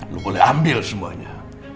lo boleh ambil semuanya